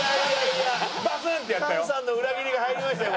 菅さんの裏切りが入りましたよ